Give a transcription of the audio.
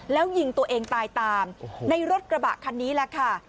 แล้วยิงตัวเองตายตามในรถกระบะคันนี้แหละค่ะ